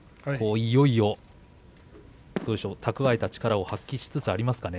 いよいよ蓄えた力を発揮しつつありますかね。